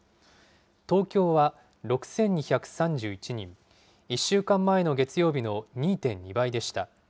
東京は６２３１人、１週間前の月曜日の２．２倍でした。